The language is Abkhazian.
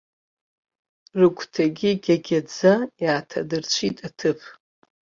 Рыгәҭагьы игьагьаӡа иааҭадырцәит аҭыԥ.